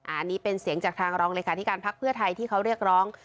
อันนี้เป็นเสียงจากทางรองเลขาธิการพักเพื่อไทยที่เขาเรียกร้อง